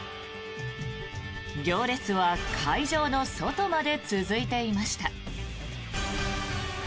行列は会場の外まで続いていました。